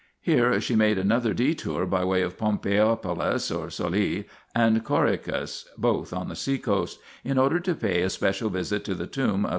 Here she made another detour by way of Pompeio polis (or Soli) and Corycus (both on the sea coast), in order to pay a special visit to the tomb of S.